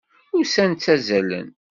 Ussan ttazalen.